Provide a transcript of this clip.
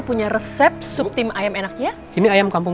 buat suami kamu